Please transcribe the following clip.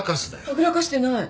はぐらかしてない。